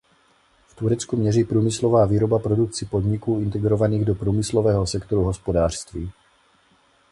V Turecku měří průmyslová výroba produkci podniků integrovaných do průmyslového sektoru hospodářství.